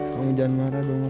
kamu jangan marah dong